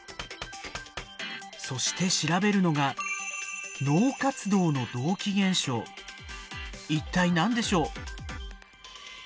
そして調べるのが一体何でしょう？